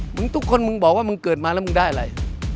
ทุกคนมึงบอกว่ามึงเกิดมาแล้วมึงได้อะไร